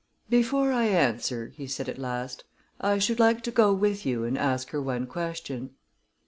"Before I answer," he said at last, "I should like to go with you and ask her one question."